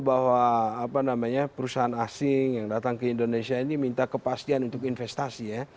bahwa perusahaan asing yang datang ke indonesia ini minta kepastian untuk investasi ya